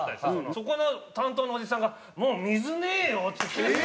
そこの担当のおじさんが「もう水ねえよ」っつってキレてた。